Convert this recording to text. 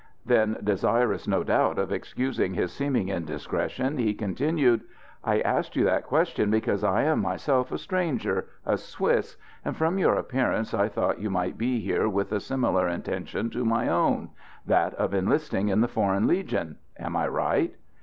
Then desirous, no doubt, of excusing his seeming indiscretion, he continued: "I asked you that question because I am myself a stranger a Swiss and from your appearance I thought you might be here with a similar intention to my own: that of enlisting in the Foreign Legion. Am I right?"